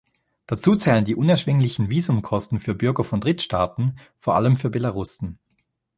Dazu zählen die unerschwinglichen Visumkosten für Bürger von Drittstaaten, vor allem für Belarussen.